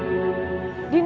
aku mau bantuin